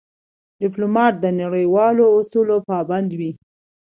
ډيپلومات د نړیوالو اصولو پابند وي.